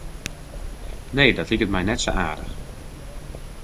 Nee, dat liket my net sa aardich.